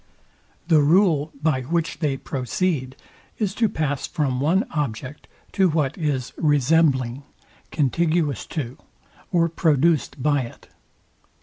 The rule, by which they proceed, is to pass from one object to what is resembling, contiguous to, or produced by it.